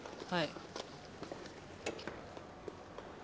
はい。